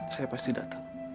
saya pasti datang